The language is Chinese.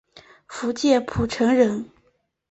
福建浦城人。